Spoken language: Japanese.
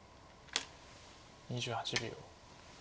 ２８秒。